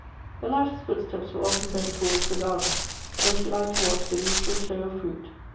The latter's footsteps were often bent towards the gar den, where she liked to w.atch the beautiful show of fruit.